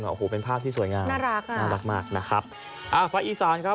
โอ้โหเป็นภาพที่สวยงามน่ารักมากนะครับครับอ่ะอีสานครับ